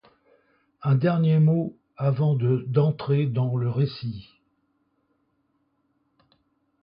Un dernier mot avant d’entrer dans le récit.